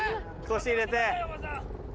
腰入れて。